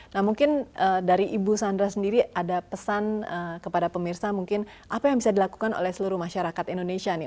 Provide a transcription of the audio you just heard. nah mungkin dari ibu sandra sendiri ada pesan kepada pemirsa mungkin apa yang bisa dilakukan oleh seluruh masyarakat indonesia nih